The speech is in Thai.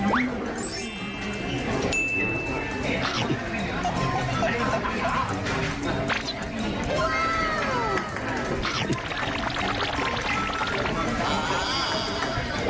ว้าว